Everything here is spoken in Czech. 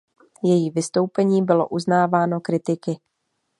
Její vystoupení bylo uznáváno kritiky.